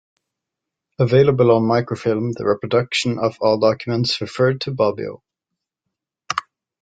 Available on microfilm the reproduction of all documents referred to Bobbio.